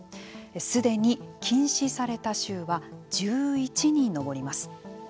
すでに禁止された州は１１に上ります。